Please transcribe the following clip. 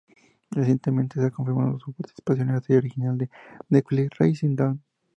Recientemente se ha confirmado su participación en la serie original de Netflix "Raising Don".